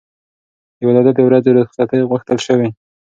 د ولادت د ورځو رخصتي غوښتل شوې.